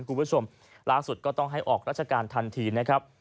คุณผู้ชมล่าสุดก็ต้องให้ออกราชการทันทีนะครับ